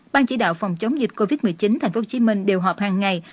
ban chỉ đạo phòng chống dịch covid một mươi chín thành phố hồ chí minh đều họp hàng ngày